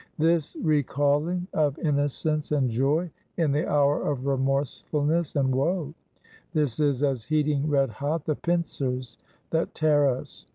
This recalling of innocence and joy in the hour of remorsefulness and woe; this is as heating red hot the pincers that tear us.